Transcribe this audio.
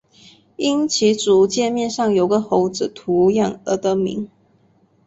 因其主界面上有个猴子图样而得名。